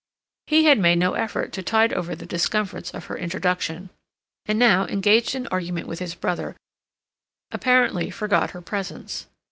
He had made no effort to tide over the discomforts of her introduction, and now, engaged in argument with his brother, apparently forgot her presence.